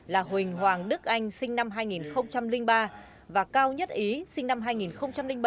là huỳnh hoàng đức anh sinh năm hai nghìn ba và cao nhất ý sinh năm hai nghìn bảy